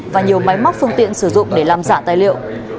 và nhiều máy móc phương tiện sử dụng để làm giả tài liệu